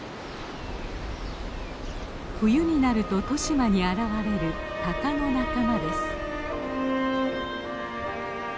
冬になると利島に現れるタカの仲間です。